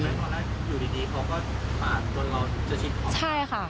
อยู่ดีเขาก็มาจนเราจะชิดพอ